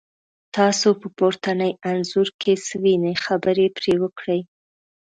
تاسو په پورتني انځور کې څه وینی، خبرې پرې وکړئ؟